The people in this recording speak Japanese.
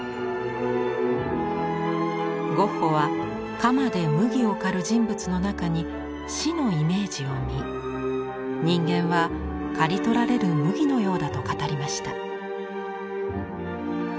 ゴッホは鎌で麦を刈る人物の中に「死」のイメージを見人間は刈り取られる麦のようだと語りました。